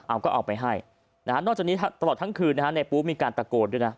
อ้ามก็ออกไปให้นอกจากนี้ตลอดทั้งคืนนายปุ๊กมีการตะโกนด้วยนะ